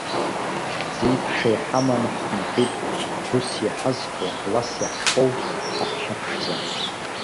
Хьӡи-ԥшеи ҳаманы ҳхынҳәит, гәыс иҳазҭоу, блас иаҳхоу, ҳаҳәшьа ԥшӡа!